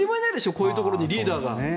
こういうところに、リーダーが。